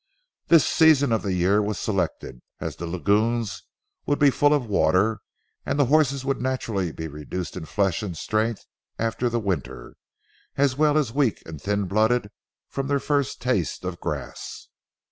This season of the year was selected, as the lagoons would be full of water and the horses would be naturally reduced in flesh and strength after the winter, as well as weak and thin blooded from their first taste of grass.